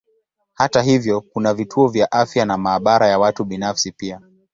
Hata hivyo kuna vituo vya afya na maabara ya watu binafsi pia.